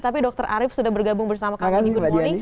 tapi dokter arief sudah bergabung bersama kami